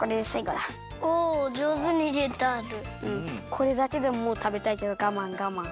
これだけでももうたべたいけどがまんがまん。